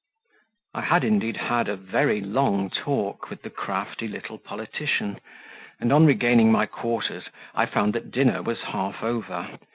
I HAD indeed had a very long talk with the crafty little politician, and on regaining my quarters, I found that dinner was half over.